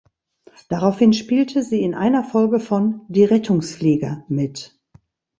Daraufhin spielte sie in einer Folge von "Die Rettungsflieger" mit.